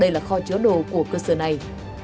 đây là kho chứa đồ của cơ sở này